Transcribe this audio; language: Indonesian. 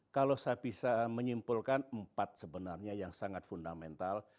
kalau saya bisa menyimpulkan empat sebenarnya yang sangat fundamental